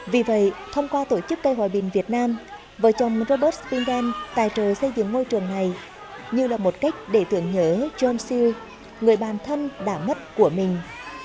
vì vậy thông qua tổ chức cây hòa bình việt nam vợ chồng robert spindel tài trợ xây dựng môi trường này như là một cách để tưởng nhớ john seale người bạn thân đã mất của mình